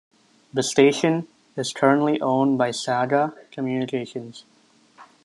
The station is currently owned by Saga Communications.